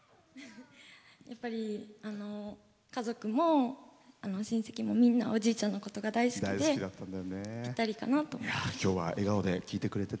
やっぱり、家族も親戚もみんなおじいちゃんのことが大好きでぴったりかなと思って。